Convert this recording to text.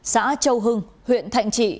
xã châu hưng huyện thạnh trị